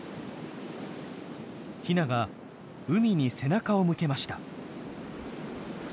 ヒナが海に背中を向けました。